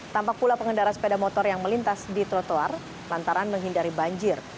tampak pula pengendara sepeda motor yang melintas di trotoar lantaran menghindari banjir